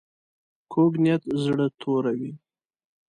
کوږ نیت زړه توروي